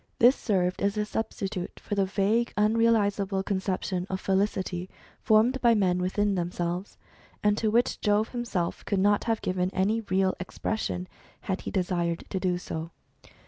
This served as a substitute for the vague unrealisable conception of felicity formed by men within themselves, and to which Jove himself could not have given any real expression, had he desired to do so.